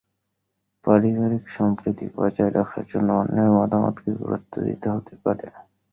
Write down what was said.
পারিবারিক সম্প্রীতি বজায় রাখার জন্য অন্যের মতামতকে গুরুত্ব দিতে হতে পারে।